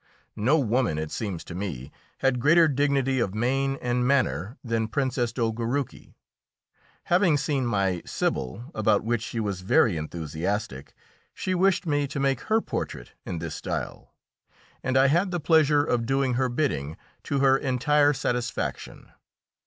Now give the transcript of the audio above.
No woman, it seems to me, had greater dignity of mien and manner than Princess Dolgoruki. Having seen my "Sibyl," about which she was very enthusiastic, she wished me to make her portrait in this style, and I had the pleasure of doing her bidding to her entire satisfaction.